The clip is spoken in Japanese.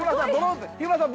日村さん